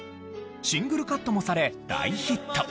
シングルカットもされ大ヒット。